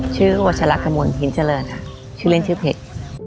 ชื่อวัชลักรมวลหินเจริญชื่อเล่นชื่อเผ็ด